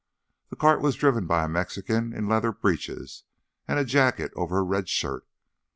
The cart was driven by a Mexican in leather breeches and jacket over a red shirt.